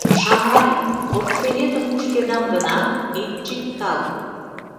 — Шамрай, портфелетым кушкедам гынат, ит чиктал.